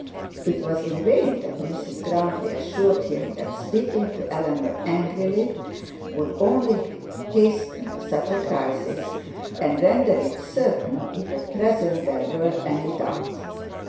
It was in vain that Mrs Grantly assured him that speaking to Eleanor angrily would only hasten such a crisis, and render it certain if at present there were any doubt.